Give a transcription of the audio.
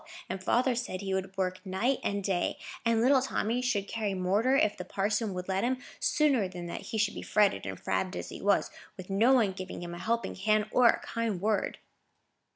And father said he would work night and day, and little Tommy should carry mortar, if the parson would let him, sooner than that he should be fretted and frabbed as he was, with no one giving him a helping hand or a kind word."